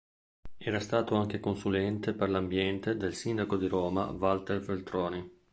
Era stato anche consulente per l'ambiente del sindaco di Roma Walter Veltroni.